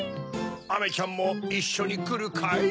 アメちゃんもいっしょにくるかい？